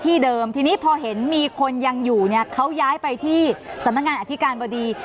เดิมทีนี้พอเห็นมีคนยังอยู่เนี่ยเขาย้ายไปที่สำนักงานอธิการบดี